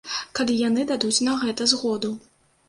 Калі яны дадуць на гэта згоду.